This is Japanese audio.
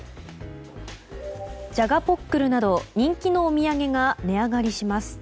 じゃがポックルなど人気のお土産が値上がりします。